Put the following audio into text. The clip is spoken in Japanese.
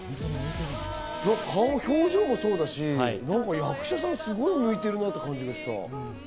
顔、表情もそうだし、役者さん、すごい向いてるなって感じがした。